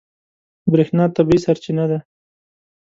برېښنا طبیعي سرچینه ده.